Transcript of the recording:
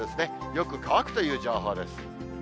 よく乾くという情報です。